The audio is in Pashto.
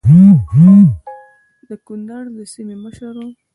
د کنړ د سیمې مشر وو.